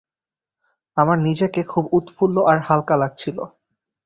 আমার নিজেকে খুব উৎফুল্ল আর হালকা লাগছিল।